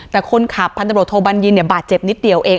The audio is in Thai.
แต่คนขับพันตำรวจโทบัญญินเนี่ยบาดเจ็บนิดเดียวเอง